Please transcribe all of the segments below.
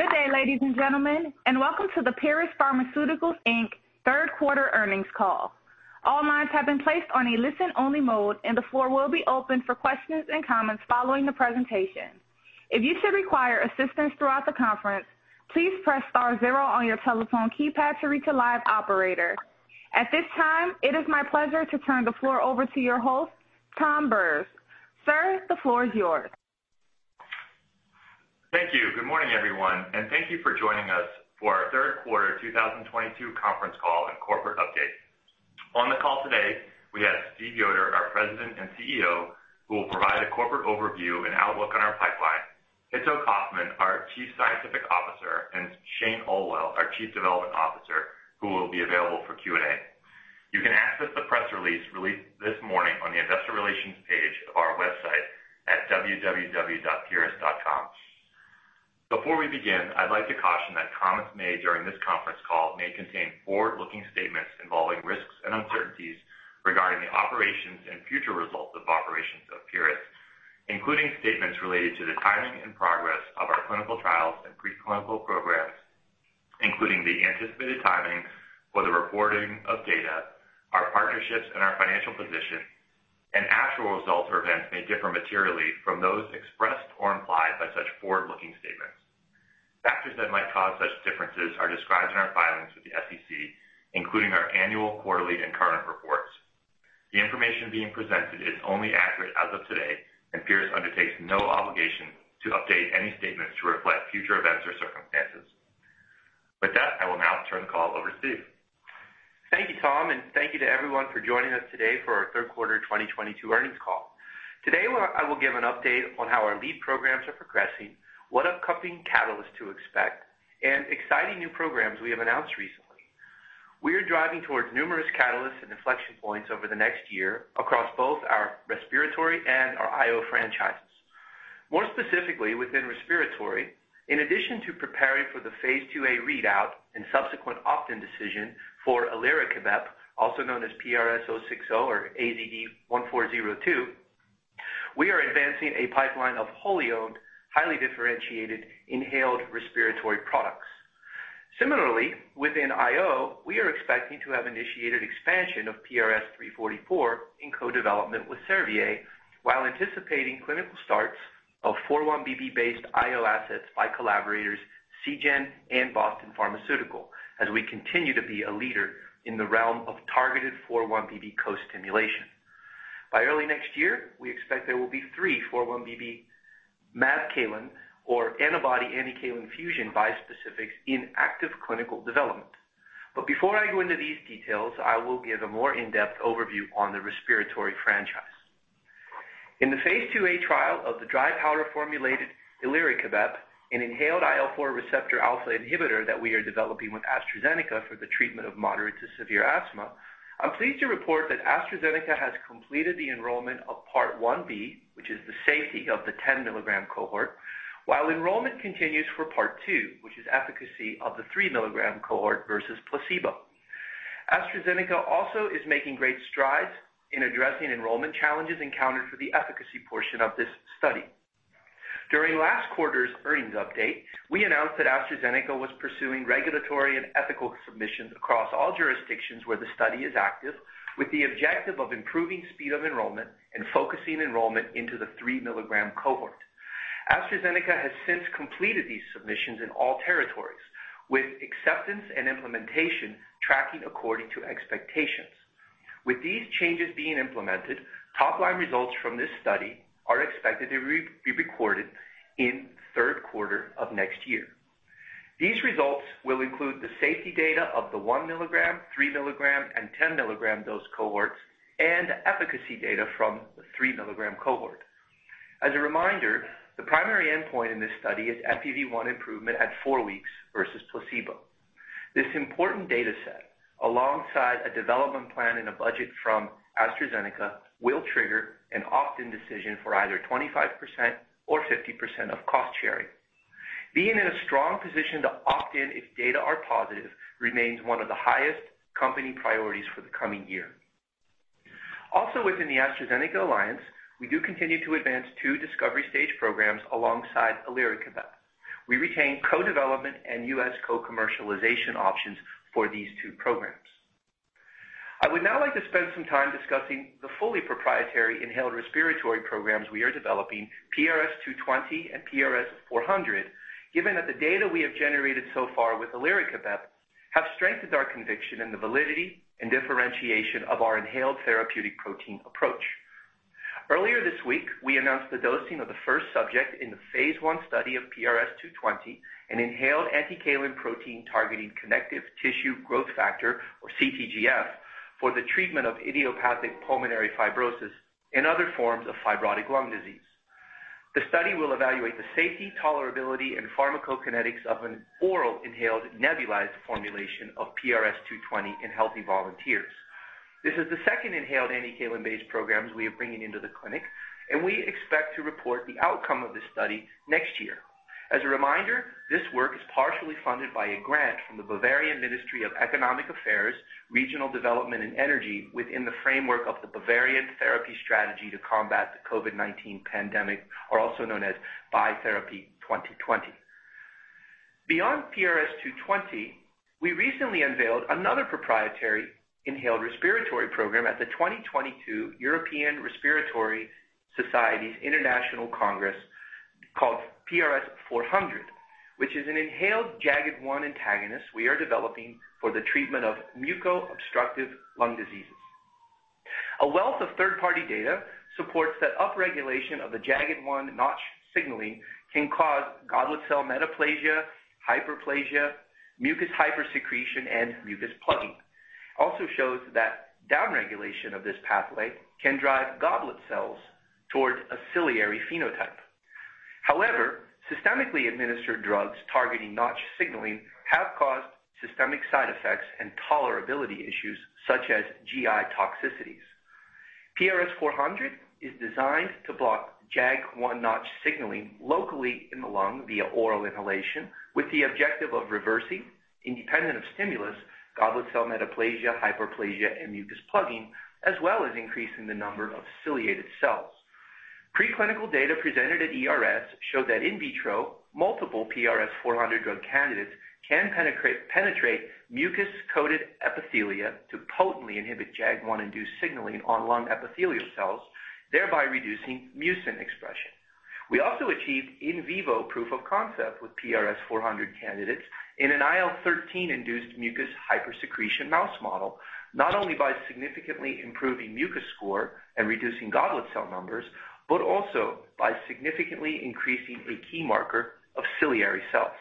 Good day, ladies and gentlemen, and welcome to the Pieris Pharmaceuticals, Inc. Third Quarter Earnings Call. All lines have been placed on a listen-only mode, and the floor will be open for questions and comments following the presentation. If you should require assistance throughout the conference, please press star zero on your telephone keypad to reach a live operator. At this time, it is my pleasure to turn the floor over to your host, Tom Bures. Sir, the floor is yours. Thank you. Good morning, everyone, and thank you for joining us for our third quarter 2022 conference call and corporate update. On the call today, we have Stephen Yoder, our President and CEO, who will provide a corporate overview and outlook on our pipeline. Hitto Kaufmann, our Chief Scientific Officer, and Shane Olwill, our Chief Development Officer, who will be available for Q&A. You can access the press release released this morning on the investor relations page of our website at www.pieris.com. Before we begin, I'd like to caution that comments made during this conference call may contain forward-looking statements involving risks and uncertainties regarding the operations and future results of operations of Pieris, including statements related to the timing and progress of our clinical trials and preclinical programs, including the anticipated timings for the reporting of data, our partnerships and our financial position. Actual results or events may differ materially from those expressed or implied by such forward-looking statements. Factors that might cause such differences are described in our filings with the SEC, including our annual, quarterly, and current reports. The information being presented is only accurate as of today, and Pieris undertakes no obligation to update any statements to reflect future events or circumstances. With that, I will now turn the call over to Steve. Thank you, Tom, and thank you to everyone for joining us today for our third quarter 2022 earnings call. Today, I will give an update on how our lead programs are progressing, what upcoming catalysts to expect, and exciting new programs we have announced recently. We are driving towards numerous catalysts and inflection points over the next year across both our respiratory and our IO franchises. More specifically, within respiratory, in addition to preparing for the phase 2a readout and subsequent opt-in decision for elarekibep, also known as PRS-060 or AZD1402, we are advancing a pipeline of wholly owned, highly differentiated inhaled respiratory products. Similarly, within IO, we are expecting to have initiated expansion of PRS-344 in co-development with Servier, while anticipating clinical starts of 4-1BB based IO assets by collaborators Seagen and Boston Pharmaceuticals, as we continue to be a leader in the realm of targeted 4-1BB co-stimulation. By early next year, we expect there will be three 4-1BB Mabcalin or antibody-Anticalin fusion bispecifics in active clinical development. Before I go into these details, I will give a more in-depth overview on the respiratory franchise. In the phase 2a trial of the dry powder formulated elarekibep, an inhaled IL-4 receptor alpha inhibitor that we are developing with AstraZeneca for the treatment of moderate to severe asthma, I'm pleased to report that AstraZeneca has completed the enrollment of part 1b, which is the safety of the 10-mg cohort, while enrollment continues for part two, which is efficacy of the 3-mg cohort versus placebo. AstraZeneca also is making great strides in addressing enrollment challenges encountered for the efficacy portion of this study. During last quarter's earnings update, we announced that AstraZeneca was pursuing regulatory and ethical submissions across all jurisdictions where the study is active, with the objective of improving speed of enrollment and focusing enrollment into the 3-mg cohort. AstraZeneca has since completed these submissions in all territories, with acceptance and implementation tracking according to expectations. With these changes being implemented, top-line results from this study are expected to be recorded in third quarter of next year. These results will include the safety data of the 1 mg, 3 mg, and 10 mg dose cohorts, and efficacy data from the 3 mg cohort. As a reminder, the primary endpoint in this study is FEV1 improvement at four weeks versus placebo. This important data set, alongside a development plan and a budget from AstraZeneca, will trigger an opt-in decision for either 25% or 50% of cost sharing. Being in a strong position to opt in if data are positive remains one of the highest company priorities for the coming year. Also within the AstraZeneca alliance, we do continue to advance two discovery stage programs alongside elarekibep. We retain co-development and U.S. co-commercialization options for these two programs. I would now like to spend some time discussing the fully proprietary inhaled respiratory programs we are developing, PRS-220 and PRS-400, given that the data we have generated so far with elarekibep have strengthened our conviction in the validity and differentiation of our inhaled therapeutic protein approach. Earlier this week, we announced the dosing of the first subject in the phase I study of PRS-220, an inhaled Anticalin protein targeting connective tissue growth factor or CTGF for the treatment of idiopathic pulmonary fibrosis and other forms of fibrotic lung disease. The study will evaluate the safety, tolerability, and pharmacokinetics of an oral inhaled nebulized formulation of PRS-220 in healthy volunteers. This is the second inhaled Anticalin-based programs we are bringing into the clinic, and we expect to report the outcome of this study next year. As a reminder, this work partially funded by a grant from the Bavarian Ministry of Economic Affairs, Regional Development and Energy within the framework of the Bavarian Therapy Strategy to combat the COVID-19 pandemic, or also known as BayTherapy 2020. Beyond PRS-220, we recently unveiled another proprietary inhaled respiratory program at the 2022 European Respiratory Society's International Congress called PRS-400, which is an inhaled Jagged1 antagonist we are developing for the treatment of muco-obstructive lung diseases. A wealth of third-party data supports that upregulation of the Jagged1 Notch signaling can cause goblet cell metaplasia, hyperplasia, mucus hypersecretion, and mucus plugging. Also shows that downregulation of this pathway can drive goblet cells towards a ciliary phenotype. However, systemically administered drugs targeting Notch signaling have caused systemic side effects and tolerability issues such as GI toxicities. PRS-400 is designed to block JAG1-Notch signaling locally in the lung via oral inhalation, with the objective of reversing, independent of stimulus, goblet cell metaplasia, hyperplasia, and mucus plugging, as well as increasing the number of ciliated cells. Preclinical data presented at ERS showed that in vitro, multiple PRS-400 drug candidates can penetrate mucus-coated epithelia to potently inhibit JAG1-induced signaling on lung epithelial cells, thereby reducing mucin expression. We also achieved in vivo proof of concept with PRS-400 candidates in an IL-13-induced mucus hypersecretion mouse model, not only by significantly improving mucus score and reducing goblet cell numbers, but also by significantly increasing a key marker of ciliary cells.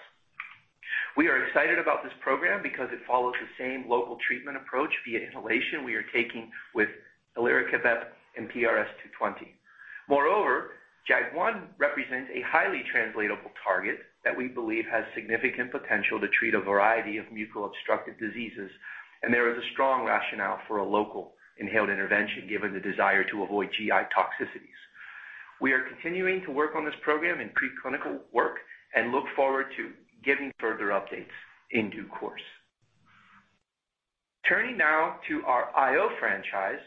We are excited about this program because it follows the same local treatment approach via inhalation we are taking with elarekibep and PRS-220. Moreover, JAG1 represents a highly translatable target that we believe has significant potential to treat a variety of muco-obstructive diseases, and there is a strong rationale for a local inhaled intervention given the desire to avoid GI toxicities. We are continuing to work on this program in preclinical work and look forward to giving further updates in due course. Turning now to our IO franchise,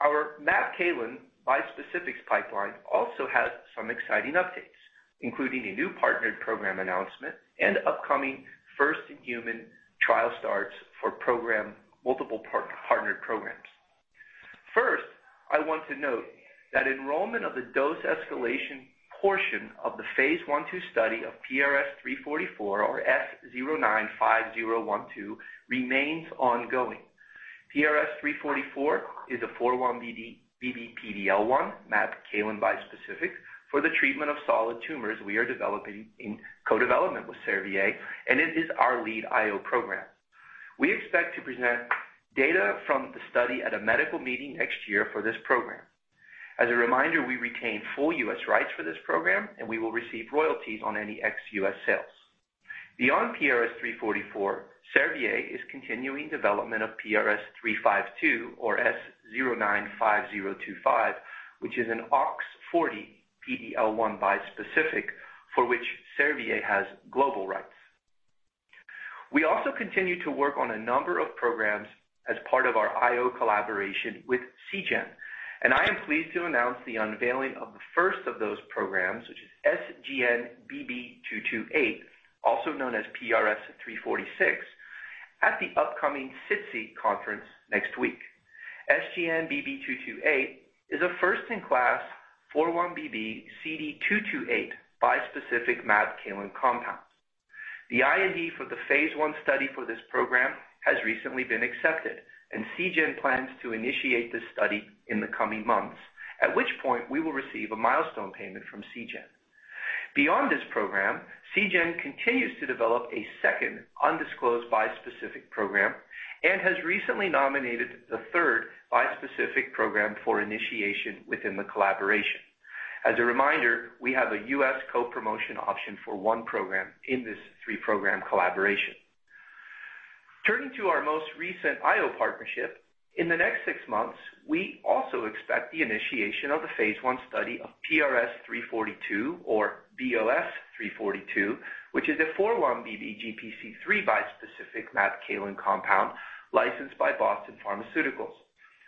our Mabcalin bispecifics pipeline also has some exciting updates, including a new partnered program announcement and upcoming first-in-human trial starts for multiple partnered programs. First, I want to note that enrollment of the dose escalation portion of the phase I/II study of PRS-344 or S095012 remains ongoing. PRS-344 is a 4-1BB PD-L1 Mabcalin bispecific for the treatment of solid tumors we are developing in co-development with Servier, and it is our lead IO program. We expect to present data from the study at a medical meeting next year for this program. As a reminder, we retain full U.S. rights for this program, and we will receive royalties on any ex-U.S. sales. Beyond PRS-344, Servier is continuing development of PRS-352 or S095025, which is an OX40 PD-L1 bispecific for which Servier has global rights. We also continue to work on a number of programs as part of our IO collaboration with Seagen, and I am pleased to announce the unveiling of the first of those programs, which is SGN-BB228, also known as PRS-346, at the upcoming SITC conference next week. SGN-BB228 is a first-in-class 4-1BB/CD228 bispecific Mabcalin compound. The IND for the phase 1 study for this program has recently been accepted, and Seagen plans to initiate this study in the coming months, at which point we will receive a milestone payment from Seagen. Beyond this program, Seagen continues to develop a second undisclosed bispecific program and has recently nominated the third bispecific program for initiation within the collaboration. As a reminder, we have a U.S. co-promotion option for one program in this 3-program collaboration. Turning to our most recent IO partnership, in the next 6 months, we also expect the initiation of the phase 1 study of PRS-342 or BOS-342, which is a 4-1BB/GPC3 bispecific Mabcalin compound licensed by Boston Pharmaceuticals,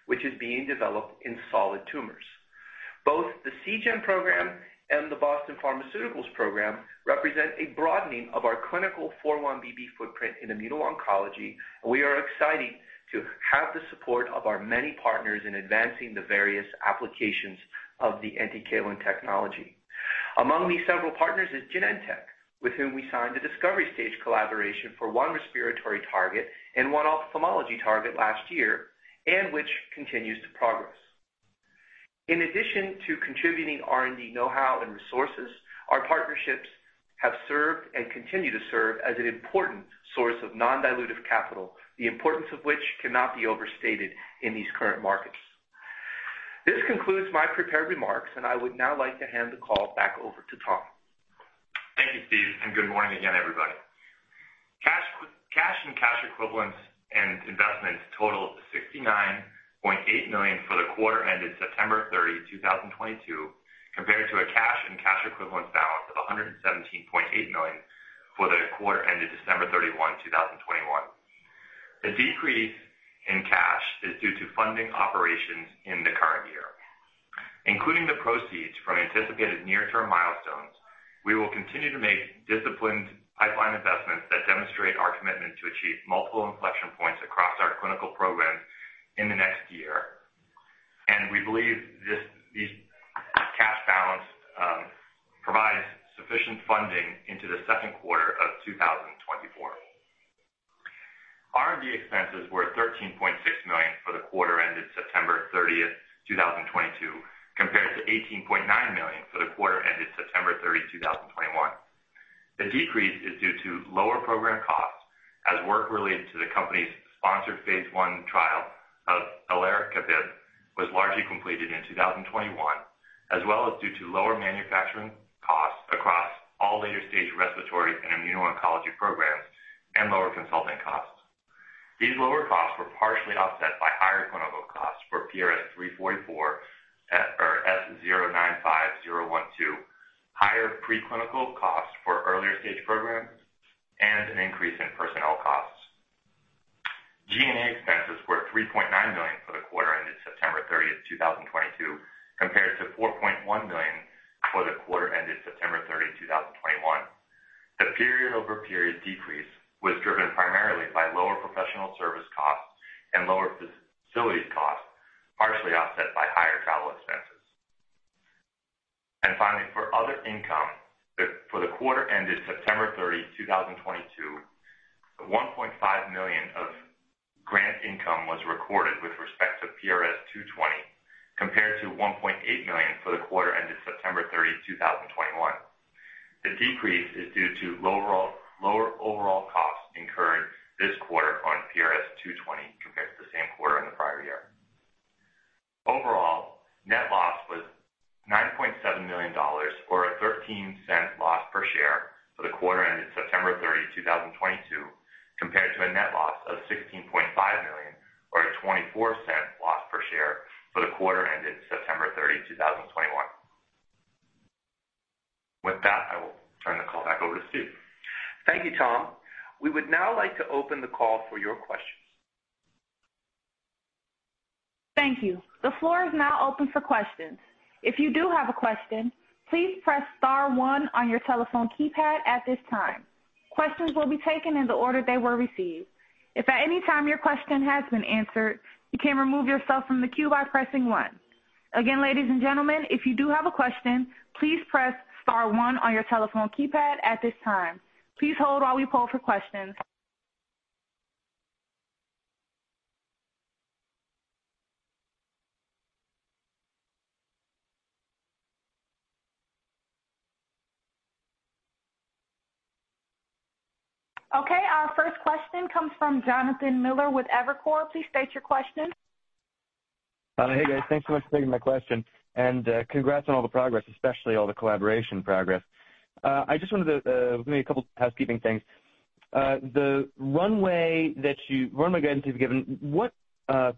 which is being developed in solid tumors. Both the Seagen program and the Boston Pharmaceuticals program represent a broadening of our clinical 4-1BB footprint in immuno-oncology, and we are excited to have the support of our many partners in advancing the various applications of the Anticalin technology. Among these several partners is Genentech, with whom we signed a discovery stage collaboration for one respiratory target and one ophthalmology target last year, and which continues to progress. In addition to contributing R&D know-how and resources, our partnerships have served and continue to serve as an important source of non-dilutive capital, the importance of which cannot be overstated in these current markets. This concludes my prepared remarks, and I would now like to hand the call back over to Tom. Thank you, Steve, and good morning again, everybody. Cash equivalents and investments totaled $69.8 million for the quarter ended September 30, 2022, compared to a cash and cash equivalent balance of $117.8 million for the quarter ended December 31, 2021. The decrease in cash is due to funding operations in the current year. Including the proceeds from anticipated near-term milestones, we will continue to make disciplined pipeline investments that demonstrate our commitment to achieve multiple inflection points across our clinical programs in the next year. We believe these cash balance provides sufficient funding into the second quarter of 2024. R&D expenses were $13.6 million for the quarter ended September 30, 2022, compared to $18.9 million for the quarter ended September 30, 2021. The decrease is due to lower program costs as work related to the company's sponsored phase I trial of elarekibep was largely completed in 2021, as well as due to lower manufacturing costs across all later-stage respiratory and immuno-oncology programs and lower consulting costs. These lower costs were partially offset by higher clinical costs for PRS-344, or S095012, higher preclinical costs for earlier stage programs, and an increase in personnel costs. G&A expenses were $3.9 million for the quarter ended September 30, 2022, compared to $4.1 million for the quarter ended September 30, 2021. The period-over-period decrease was driven primarily by lower professional service costs and lower facilities costs, partially offset by higher travel expenses. Finally, for other income for the quarter ended September 30, 2022, $1.5 million of grant income was recorded with respect to PRS-220, compared to $1.8 million for the quarter ended September 30, 2021. The decrease is due to lower overall costs incurred this quarter on PRS-220 compared to the same quarter in the prior year. Overall, net loss was $9.7 million or a $0.13 loss per share for the quarter ended September 30, 2022, compared to a net loss of $16.5 million or a $0.24 loss per share for the quarter ended September 30, 2021. With that, I will turn the call back over to Steve. Thank you, Tom. We would now like to open the call for your questions. Thank you. The floor is now open for questions. If you do have a question, please press star one on your telephone keypad at this time. Questions will be taken in the order they were received. If at any time your question has been answered, you can remove yourself from the queue by pressing one. Again, ladies and gentlemen, if you do have a question, please press star one on your telephone keypad at this time. Please hold while we poll for questions. Okay, our first question comes from Jonathan Miller with Evercore ISI. Please state your question. Hey, guys. Thanks so much for taking my question. Congrats on all the progress, especially all the collaboration progress. I just wanted to maybe a couple housekeeping things. The runway guidance you've given, what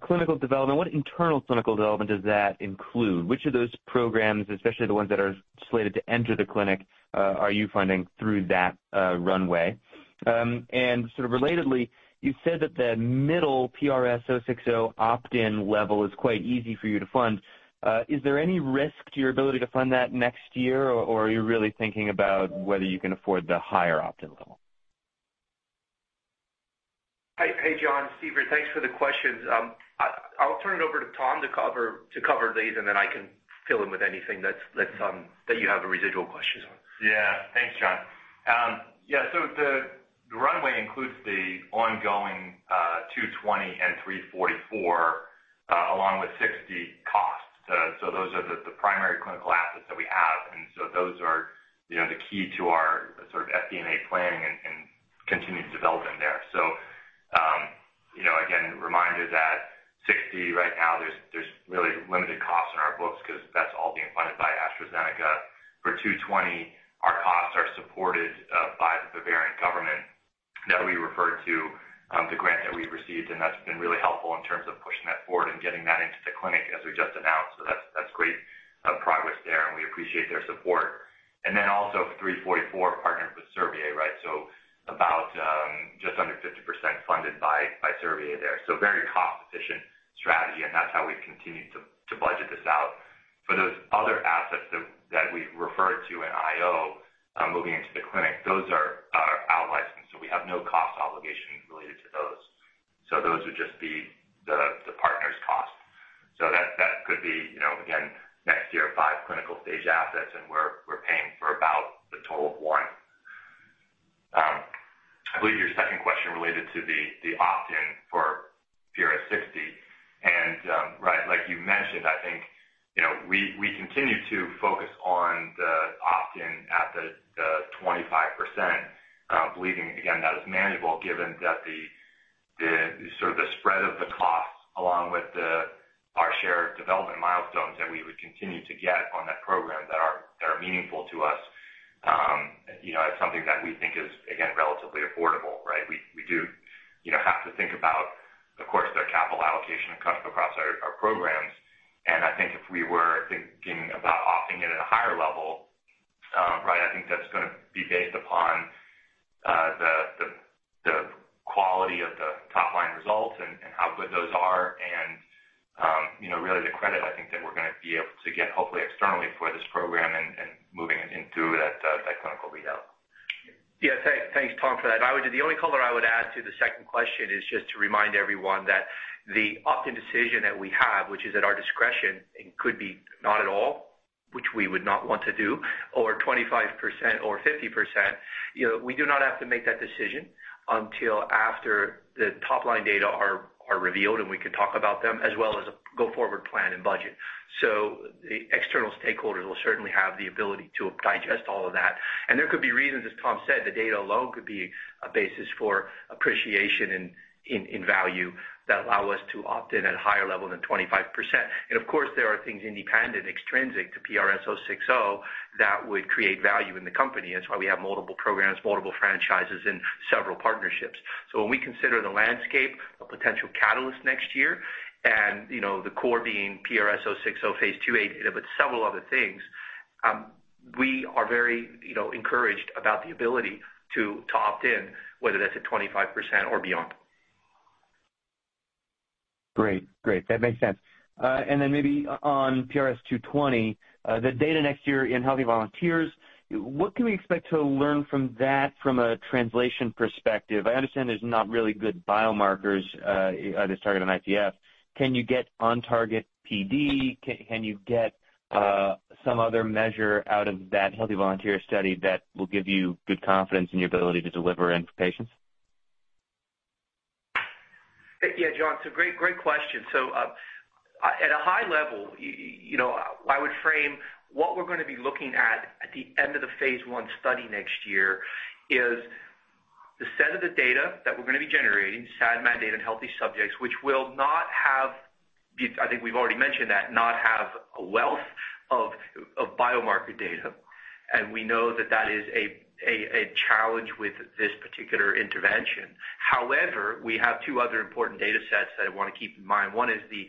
clinical development, what internal clinical development does that include? Which of those programs, especially the ones that are slated to enter the clinic, are you funding through that runway? Sort of relatedly, you said that the middle PRS-060 opt-in level is quite easy for you to fund. Is there any risk to your ability to fund that next year, or are you really thinking about whether you can afford the higher opt-in level? Hey, Jon. Stephen here. Thanks for the questions. I'll turn it over to Tom to cover these, and then I can fill in with anything that you have a residual question on. Yeah. Thanks, Jon. Yeah, so the runway includes the ongoing PRS-220 and PRS-344 along with PRS-060 costs. Those are the primary clinical assets that we have. Those are, you know, the key to our sort of R&D planning and continued development there. You know, again, reminder that PRS-060 right now there's really limited costs on our books 'cause that's all being funded by AstraZeneca. For PRS-220, our costs are supported by the Bavarian government that we referred to, the grant that we received, and that's been really helpful in terms of pushing that forward and getting that into the clinic as we just announced. That's great progress there, and we appreciate their support. PRS-344 partnered with Servier, right? About just under 50% funded by Servier there. Very cost-efficient strategy, and that's how we've continued to budget this out. For those other assets that we referred to in IO moving into the clinic, those are out licensed. We have no cost obligations related to those. Those would just be the partner's cost. That could be, you know, again, next year, five clinical stage assets, and we're paying for about the total of one. I believe your second question related to the opt-in for PRS-060. Right, like you mentioned, I think, you know, we continue to focus on the opt-in at the 25%, believing again that is manageable given that the sort of spread of the costs along with our share of development milestones that we would continue to get on that program that are meaningful to us. You know, it's something that we think is, again, relatively affordable, right? We do, you know, have to think about, of course, their capital allocation across our programs. I think if we were thinking about opting in at a higher level, right, I think that's gonna be based upon the quality of the top line results and how good those are. You know, really the credit I think that we're gonna be able to get hopefully externally for this program and moving it into that clinical readout. Thanks, Tom Bures, for that. The only color I would add to the second question is just to remind everyone that the opt-in decision that we have, which is at our discretion and could be not at all, which we would not want to do, or 25% or 50%, you know, we do not have to make that decision until after the top-line data are revealed, and we can talk about them as well as a go-forward plan and budget. The external stakeholders will certainly have the ability to digest all of that. There could be reasons, as Tom Bures said, the data alone could be a basis for appreciation in value that allow us to opt in at a higher level than 25%. Of course, there are things independent extrinsic to PRS-060 that would create value in the company. That's why we have multiple programs, multiple franchises, and several partnerships. When we consider the landscape of potential catalysts next year and, you know, the core being PRS-060 phase II data, but several other things, we are very, you know, encouraged about the ability to opt in, whether that's at 25% or beyond. Great. That makes sense. Maybe on PRS-220, the data next year in healthy volunteers, what can we expect to learn from that from a translation perspective? I understand there's not really good biomarkers at this target on IPF. Can you get on target PD? Can you get some other measure out of that healthy volunteer study that will give you good confidence in your ability to deliver in patients? Yeah. Jon, it's a great question. At a high level, you know, I would frame what we're gonna be looking at at the end of the phase I study next year is the set of the data that we're gonna be generating, SAD/MAD data in healthy subjects, which will not have the. I think we've already mentioned that, not have a wealth of biomarker data. We know that that is a challenge with this particular intervention. However, we have two other important data sets that I wanna keep in mind. One is the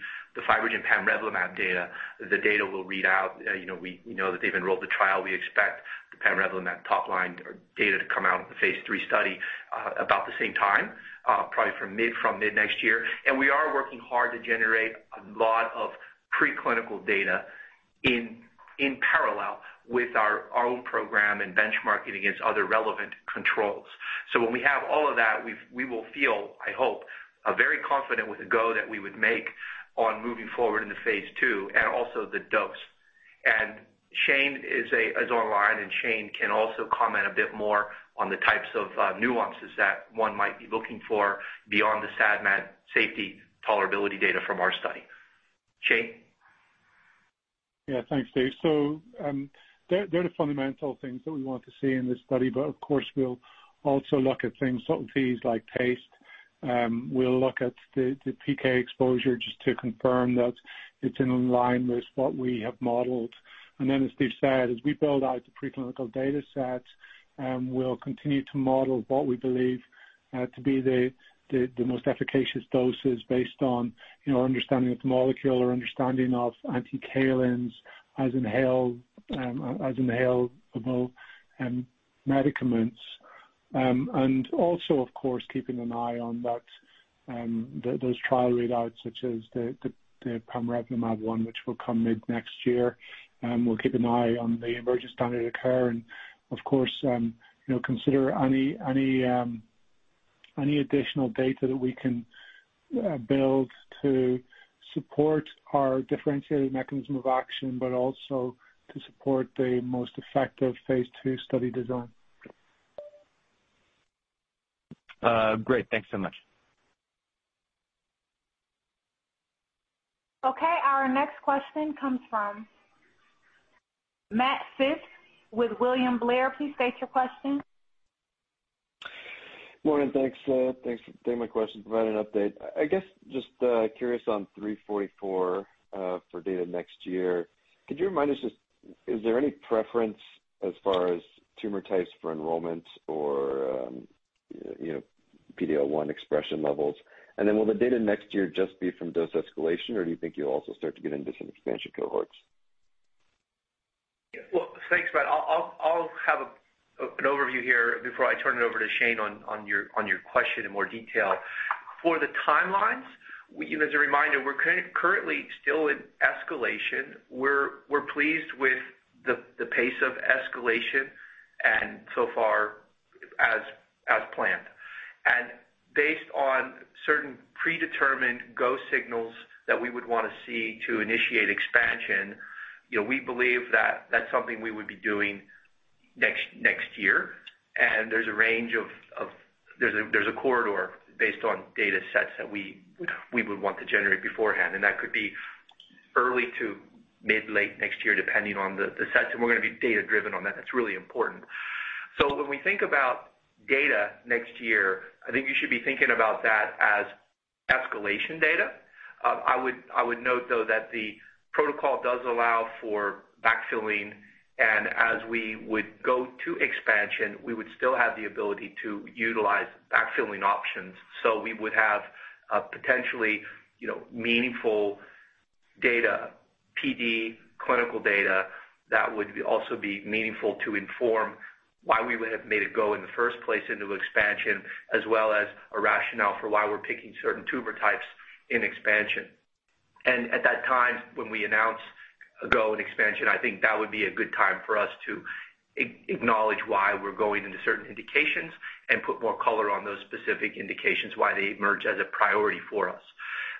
FibroGen pamrevlumab data. The data will read out. You know, we know that they've enrolled the trial. We expect the pamrevlumab top line data to come out of the phase III study, about the same time, probably from mid-next year. We are working hard to generate a lot of preclinical data in parallel with our own program and benchmarking against other relevant controls. When we have all of that, we will feel, I hope, very confident with the go that we would make on moving forward in the phase II and also the dose. Shane is online, and Shane can also comment a bit more on the types of nuances that one might be looking for beyond the SAD/MAD safety tolerability data from our study. Shane? Yeah. Thanks, Steve. There are the fundamental things that we want to see in this study, but of course, we'll also look at things, safety, efficacy like taste. We'll look at the PK exposure just to confirm that it's in line with what we have modeled. Then as Steve said, as we build out the preclinical data sets, we'll continue to model what we believe to be the most efficacious doses based on, you know, understanding of the molecule or understanding of Anticalins as inhaled as inhalable medicaments. Also, of course, keeping an eye on those trial readouts such as the pamrevlumab one, which will come mid-next year. We'll keep an eye on the emerging standard of care and of course, you know, consider any additional data that we can build to support our differentiated mechanism of action, but also to support the most effective phase II study design. Great. Thanks so much. Okay. Our next question comes from Matt Phipps with William Blair. Please state your question. Morning. Thanks. Thanks for taking my question, providing an update. I guess, just, curious on three forty-four, for data next year. Could you remind us, just is there any preference as far as tumor types for enrollment or, you know, PD-L1 expression levels? Will the data next year just be from dose escalation, or do you think you'll also start to get into some expansion cohorts? Well, thanks, Matt. I'll have an overview here before I turn it over to Shane on your question in more detail. For the timelines, as a reminder, we're currently still in escalation. We're pleased with the pace of escalation and so far as planned. Based on certain predetermined go signals that we would wanna see to initiate expansion, you know, we believe that that's something we would be doing next year. There's a range of. There's a corridor based on data sets that we would want to generate beforehand, and that could be early to mid-late next year, depending on the sets. We're gonna be data-driven on that. That's really important. When we think about data next year, I think you should be thinking about that as escalation data. I would note, though, that the protocol does allow for backfilling, and as we would go to expansion, we would still have the ability to utilize backfilling options. We would have a potentially, you know, meaningful data, PD clinical data that would also be meaningful to inform why we would have made it go in the first place into expansion as well as a rationale for why we're picking certain tumor types in expansion. At that time, when we announce a go in expansion, I think that would be a good time for us to acknowledge why we're going into certain indications and put more color on those specific indications, why they emerge as a priority for us.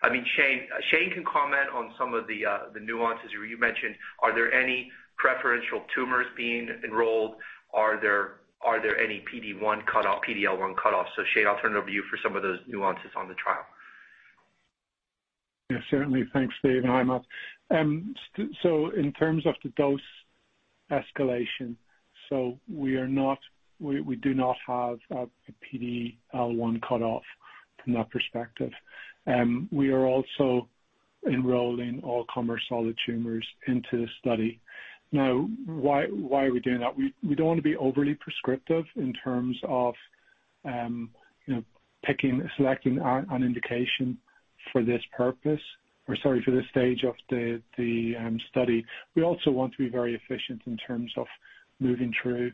I mean, Shane can comment on some of the nuances. You mentioned, are there any preferential tumors being enrolled? Are there any PD-1 cutoff, PD-L1 cutoffs? Shane, I'll turn it over to you for some of those nuances on the trial. Yeah, certainly. Thanks, Steve. I'm up. In terms of the dose escalation, we do not have a PD-L1 cutoff from that perspective. We are also enrolling all-comer solid tumors into the study. Now why are we doing that? We don't wanna be overly prescriptive in terms of, you know, picking, selecting on indication for this purpose, or sorry, for this stage of the study. We also want to be very efficient in terms of moving through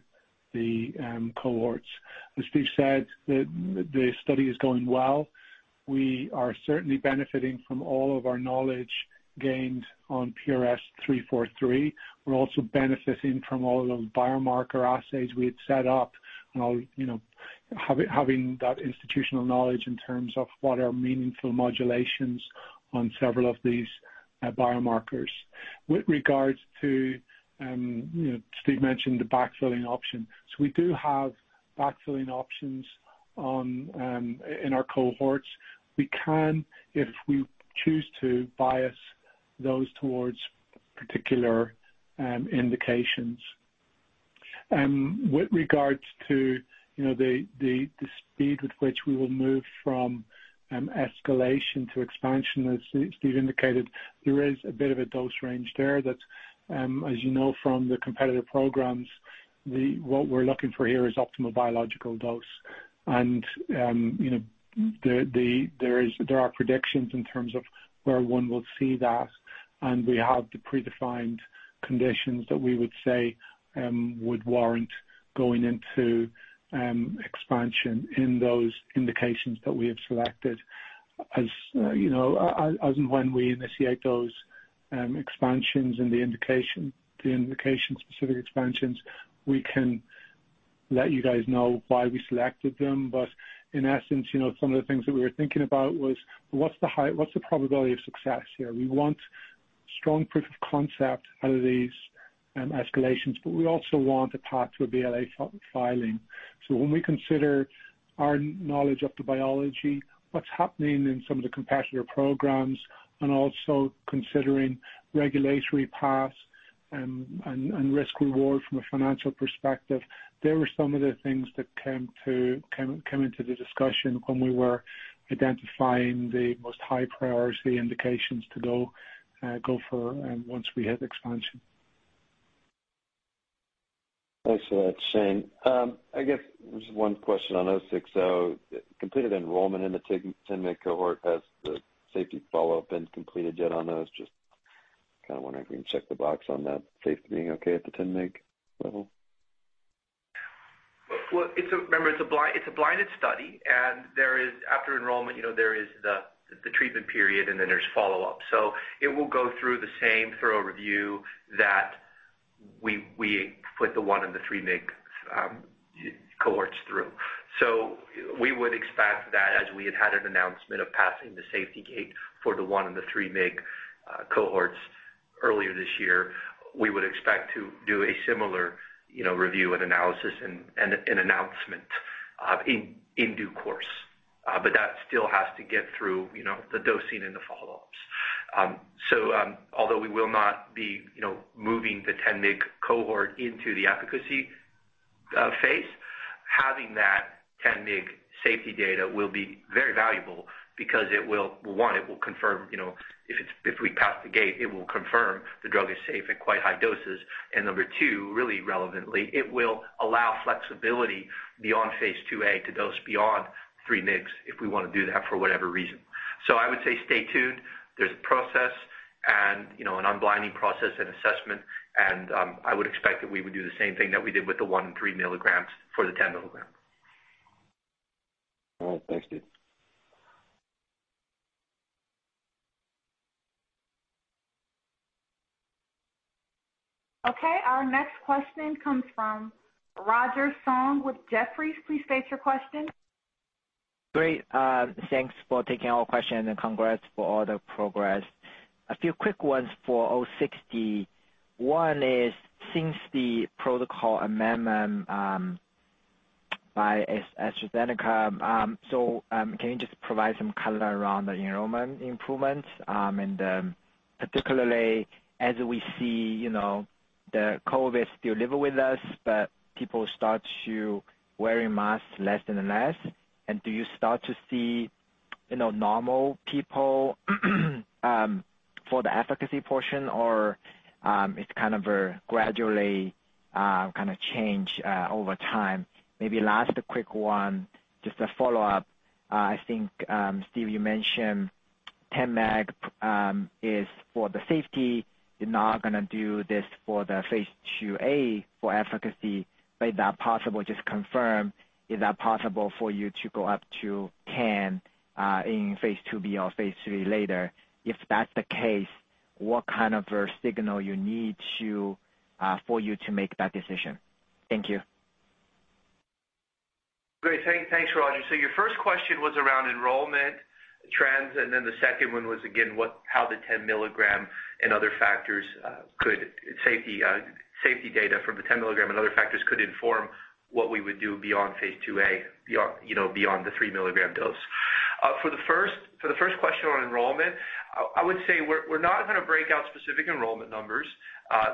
the cohorts. As Steve said, the study is going well. We are certainly benefiting from all of our knowledge gained on PRS-343. We're also benefiting from all of the biomarker assays we had set up and all, you know, having that institutional knowledge in terms of what are meaningful modulations in several of these biomarkers. With regards to, you know, Steve mentioned the backfilling option. We do have backfilling options in our cohorts. We can, if we choose to, bias those towards particular indications. With regards to, you know, the speed with which we will move from escalation to expansion, as Steve indicated, there is a bit of a dose range there that, as you know from the competitive programs, what we're looking for here is optimal biological dose. There are predictions in terms of where one will see that, and we have the predefined conditions that we would say would warrant going into expansion in those indications that we have selected. As you know, as and when we initiate those expansions in the indication, the indication-specific expansions, we can let you guys know why we selected them. But in essence, you know, some of the things that we were thinking about was what's the probability of success here? We want strong proof of concept out of these escalations, but we also want a path to a BLA filing. When we consider our knowledge of the biology, what's happening in some of the competitor programs, and also considering regulatory paths, and risk reward from a financial perspective, there were some of the things that came into the discussion when we were identifying the most high priority indications to go for once we hit expansion. Thanks for that, Shane. I guess just one question on 060. Completed enrollment in the 10 mg cohort. Has the safety follow-up been completed yet on those? Just kinda wondering if you can check the box on that safety being okay at the 10 mg level. Well, it's a blinded study, and there is, after enrollment, you know, there is the treatment period, and then there's follow-up. It will go through the same thorough review that we put the 1 mg and the 3 mg cohorts through. We would expect that as we had an announcement of passing the safety gate for the 1 and the 3 mg cohorts earlier this year, we would expect to do a similar, you know, review and analysis and an announcement in due course. That still has to get through, you know, the dosing and the follow-ups. Although we will not be, you know, moving the 10 mg cohort into the efficacy phase, having that 10 mg safety data will be very valuable because it will, one, confirm, you know, if we pass the gate, the drug is safe at quite high doses. Number two, really relevantly, it will allow flexibility beyond phase 2A to dose beyond 3 mg if we wanna do that for whatever reason. I would say stay tuned. There's a process and, you know, an unblinding process and assessment, and I would expect that we would do the same thing that we did with the 1 mg and 3 mg for the 10 mg. All right. Thanks, Steve. Okay. Our next question comes from Roger Song with Jefferies. Please state your question. Great. Thanks for taking our question and congrats for all the progress. A few quick ones for 060. One is, since the protocol amendment by AstraZeneca. So, can you just provide some color around the enrollment improvements, and, particularly as we see, you know, the COVID still live with us, but people start to wearing masks less and less. Do you start to see, you know, normal people, for the efficacy portion or, it's kind of a gradually, kind of change, over time? Maybe last quick one, just a follow-up. I think, Steve, you mentioned 10 mg, is for the safety. You're not gonna do this for the phase 2a for efficacy. But is that possible, just confirm, is that possible for you to go up to 10, in phase 2b or phase III later? If that's the case, what kind of a signal you need to, for you to make that decision? Thank you. Great. Thanks, Roger. Your first question was around enrollment trends, and then the second one was how the safety data from the 10 mg and other factors could inform what we would do beyond phase 2a, beyond, you know, beyond the 3 mg dose. For the first question on enrollment, I would say we're not gonna break out specific enrollment numbers.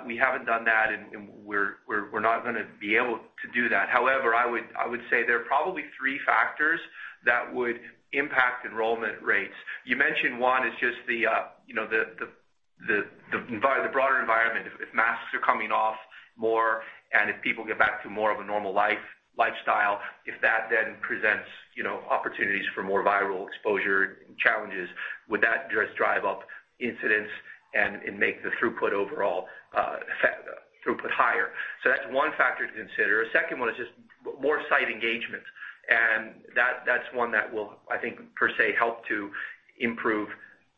We haven't done that and we're not gonna be able to do that. However, I would say there are probably three factors that would impact enrollment rates. You mentioned one is just the, you know, the broader environment. If masks are coming off more and if people get back to more of a normal lifestyle, if that then presents, you know, opportunities for more viral exposure challenges, would that just drive up incidence and make the throughput overall affect the throughput higher? That's one factor to consider. A second one is just more site engagement, and that's one that will, I think, per se help to improve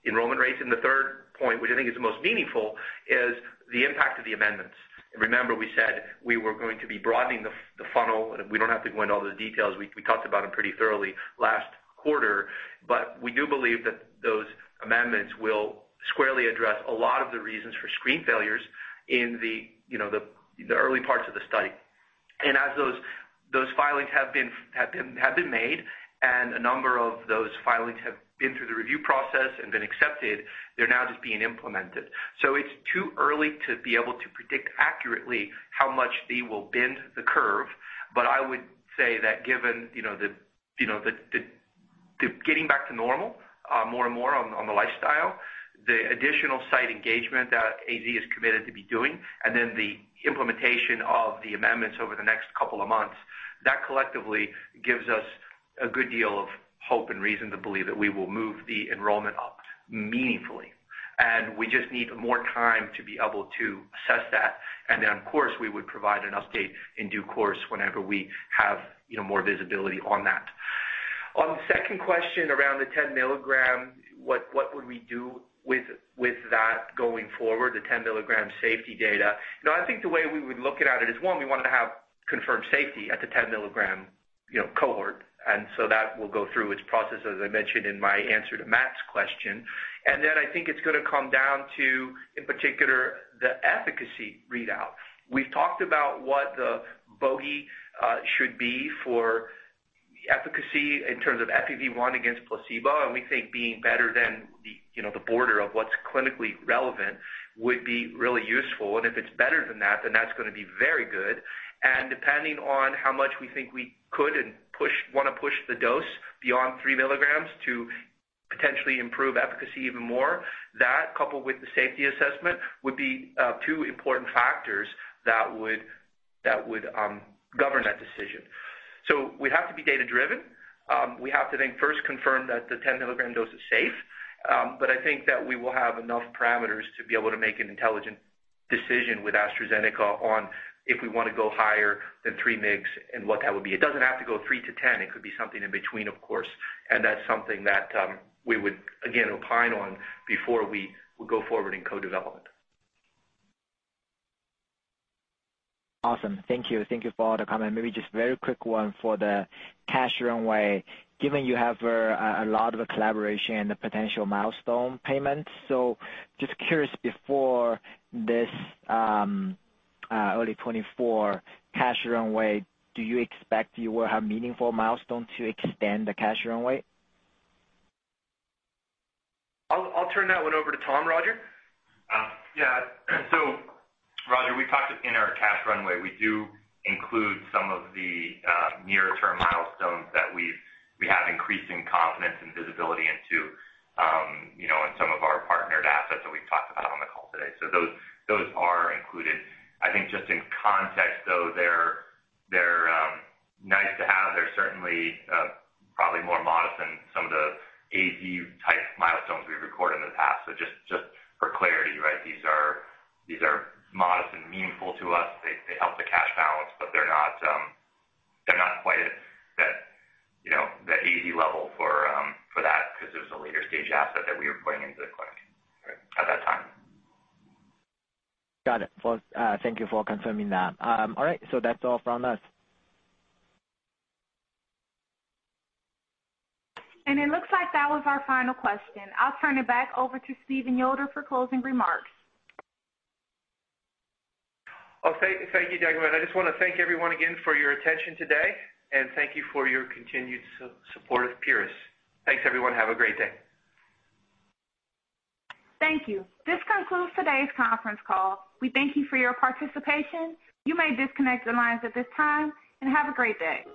enrollment rates. The third point, which I think is the most meaningful, is the impact of the amendments. Remember we said we were going to be broadening the funnel. We talked about them pretty thoroughly last quarter. We do believe that those amendments will squarely address a lot of the reasons for screen failures in the, you know, the early parts of the study. As those filings have been made, and a number of those filings have been through the review process and been accepted, they're now just being implemented. It's too early to be able to predict accurately how much they will bend the curve. I would say that given, you know, the, you know, the getting back to normal, more and more on the lifestyle, the additional site engagement that AZ has committed to be doing, and then the implementation of the amendments over the next couple of months, that collectively gives us a good deal of hope and reason to believe that we will move the enrollment up meaningfully. We just need more time to be able to assess that. Of course, we would provide an update in due course whenever we have, you know, more visibility on that. On the second question around the 10 mg what would we do with that going forward, the 10 milligram safety data? You know, I think the way we would look at it is, one, we wanted to have confirmed safety at the 10 milligram, you know, cohort. That will go through its process, as I mentioned in my answer to Matt's question. I think it's gonna come down to, in particular, the efficacy readout. We've talked about what the bogey should be for efficacy in terms of FEV1 against placebo, and we think being better than the, you know, the border of what's clinically relevant would be really useful. If it's better than that, then that's gonna be very good. Depending on how much we wanna push the dose beyond 3 mg to potentially improve efficacy even more, that coupled with the safety assessment, would be two important factors that would govern that decision. We have to be data-driven. We have to then first confirm that the 10 mg dose is safe. But I think that we will have enough parameters to be able to make an intelligent decision with AstraZeneca on if we wanna go higher than 3 mgs and what that would be. It doesn't have to go 3 mg to 10 mg, it could be something in between, of course, and that's something that we would again opine on before we go forward in co-development. Awesome. Thank you. Thank you for all the comments. Maybe just a very quick one for the cash runway. Given you have a lot of collaboration and the potential milestone payments, just curious before this early 2024 cash runway, do you expect you will have meaningful milestone to extend the cash runway? I'll turn that one over to Tom, Roger. Yeah. Roger, we talked in our cash runway, we do include some of the near-term milestones that we have increasing confidence and visibility into, you know, in some of our partnered assets that we've talked about on the call today. Those are included. I think just in context though, they're nice to have. They're certainly probably more modest than some of the AZ type milestones we've recorded in the past. Just for clarity, right? These are modest and meaningful to us. They help the cash balance, but they're not quite at that, you know, that AZ level for that 'cause it was a later stage asset that we were putting into the clinic at that time. Got it. Well, thank you for confirming that. All right, that's all from us. It looks like that was our final question. I'll turn it back over to Stephen Yoder for closing remarks. Oh, thank you, Dagma. I just wanna thank everyone again for your attention today, and thank you for your continued support of Pieris. Thanks, everyone. Have a great day. Thank you. This concludes today's conference call. We thank you for your participation. You may disconnect the lines at this time, and have a great day.